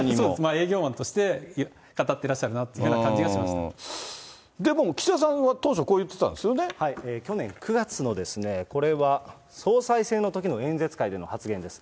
営業マンとして語ってらっしゃるなっていうような感じがしまでも岸田さんは当初、こう言去年９月のこれは総裁選のときの演説会での発言です。